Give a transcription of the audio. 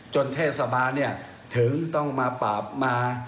จนเทศสมันเนี่ยถึงต้องมาปรับมา